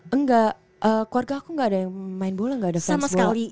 enggak keluarga aku gak ada yang main bola gak ada sama sekali